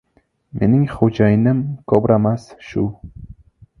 Mening xo‘jayinim «Kobra»mas, shu!